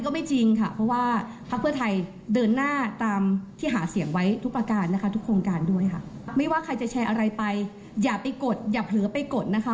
ไม่ว่าใครจะแชร์อะไรไปอย่าไปกดอย่าเผลอไปกดนะคะ